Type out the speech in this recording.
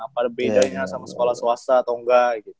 apa bedanya sama sekolah swasta atau enggak